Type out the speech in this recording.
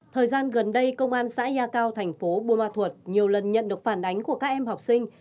thời gian gần đây công an xã yà cao thành phố bùa ma thuật nhiều lần nhận được phản ánh của các em học sinh